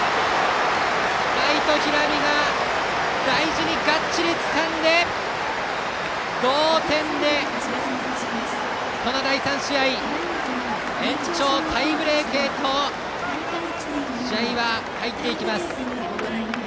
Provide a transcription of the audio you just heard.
ライト、平見が大事にがっちりつかんで同点で、この第３試合延長タイブレークへと試合は入っていきます。